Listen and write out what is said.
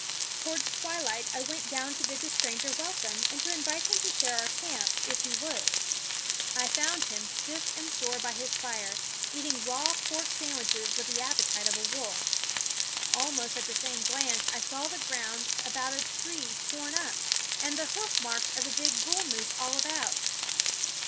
Towards twilight I went down to bid the stranger welcome, and to invite him to share our camp, if he would. I found him stiff and sore by his fire, eating raw pork sandwiches with the appetite of a wolf. Almost at the same glance I saw the ground about a tree torn up, and the hoof marks of a big bull moose all about.